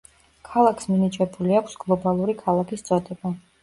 ქალაქს მინიჭებული აქვს გლობალური ქალაქის წოდება.